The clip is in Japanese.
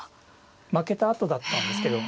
負けたあとだったんですけど。